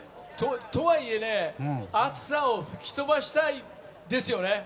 とはいえ暑さを吹き飛ばしたいですよね。